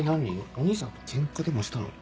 お義兄さんとケンカでもしたの？